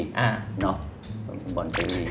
เนาะบ่อนเซรี